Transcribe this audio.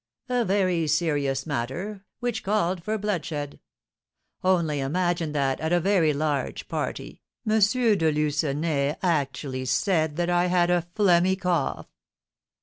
"A very serious matter, which called for bloodshed. Only imagine that, at a very large party, M. de Lucenay actually said that I had a phlegmy cough!"